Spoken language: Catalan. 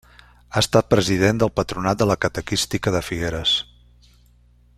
Ha estat president del Patronat de la catequística de Figueres.